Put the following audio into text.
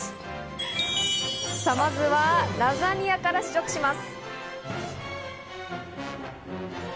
まずはラザニアから試食します。